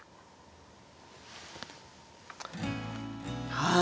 はい。